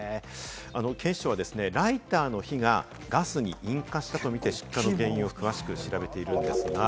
警視庁はライターの火がガスに引火したとみて、出火の原因を詳しく調べています。